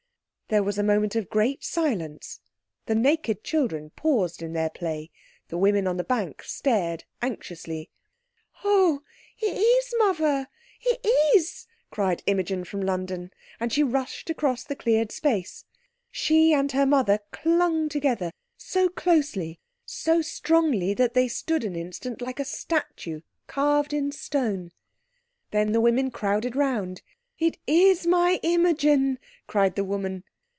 There was a moment of great silence; the naked children paused in their play, the women on the bank stared anxiously. "Oh, it is mother—it is!" cried Imogen from London, and rushed across the cleared space. She and her mother clung together—so closely, so strongly that they stood an instant like a statue carved in stone. Then the women crowded round. "It is my Imogen!" cried the woman.